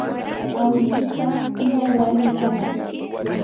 awlliqa qilla warmi kanaq.